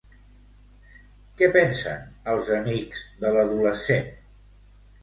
Què pensen els amics de l'adolescent?